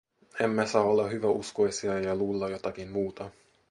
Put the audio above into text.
Emme saa olla hyväuskoisia ja luulla jotakin muuta.